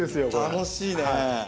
楽しいね。